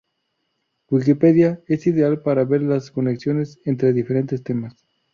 Wikipedia es ideal para ver las conexiones entre diferentes temas.